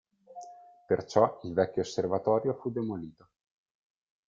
Perciò il vecchio osservatorio fu demolito.